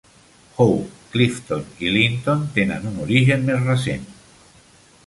Hope, Clifton i Linton tenen un origen més recent.